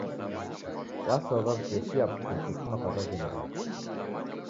Wasowa wu'tesia putu kufuma kwa wa'ghenyi wake